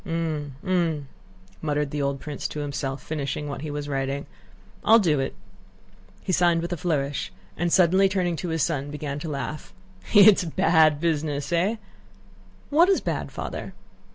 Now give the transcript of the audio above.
"Hm... Hm..." muttered the old prince to himself, finishing what he was writing. "I'll do it." He signed with a flourish and suddenly turning to his son began to laugh. "It's a bad business, eh?" "What is bad, Father?"